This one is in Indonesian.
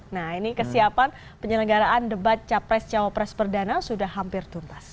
nah ini kesiapan penyelenggaraan debat capres cawapres perdana sudah hampir tuntas